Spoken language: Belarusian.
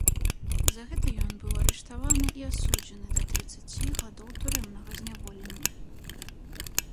За гэта ён быў арыштаваны і асуджаны да трыццаці гадоў турэмнага зняволення.